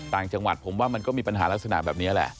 ต่างจังหวัดผมว่ามันก็มีปัญหาลักษณะแบบนี้แหละ